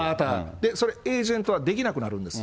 それ、エージェントはできなくなるんです。